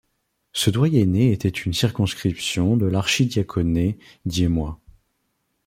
Ce doyenné était une circonscription de l'archidiaconé d'Hiémois.